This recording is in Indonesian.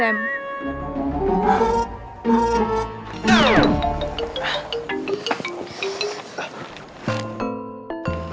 kenapa bukan sam